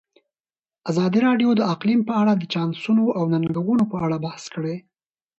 ازادي راډیو د اقلیم په اړه د چانسونو او ننګونو په اړه بحث کړی.